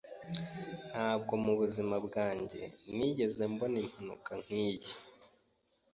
Ntabwo mubuzima bwanjye nigeze mbona impanuka nkiyi.